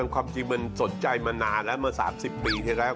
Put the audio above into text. ความจริงมันสนใจมานานแล้วเมื่อ๓๐ปีที่แล้ว